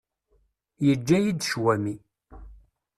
Yeǧǧa-yi-d ccwami.